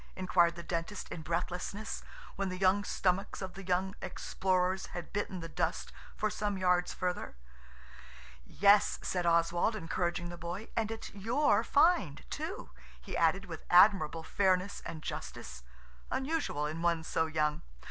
inquired the Dentist in breathlessness, when the young stomachs of the young explorers had bitten the dust for some yards further. "Yes," said Oswald, encouraging the boy, "and it's your find, too," he added, with admirable fairness and justice, unusual in one so young.